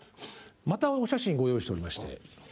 またお写真ご用意しておりまして。